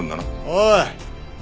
おい！